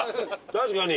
確かに。